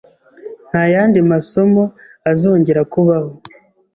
Nta yandi masomo azongera kubaho.